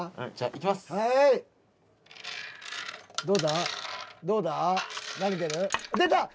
どうだ？